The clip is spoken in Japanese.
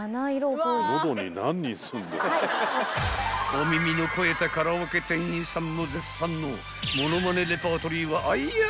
［お耳の肥えたカラオケ店員さんも絶賛のものまねレパートリーはあいや！